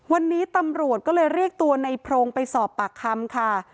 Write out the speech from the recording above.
วันนี้ตำรวจก็เลยเรียกตัวในโพรงไปสอบปากคำค่ะ